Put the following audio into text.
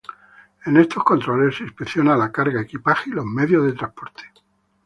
En estos controles se inspecciona la carga, equipaje y los medios de transporte.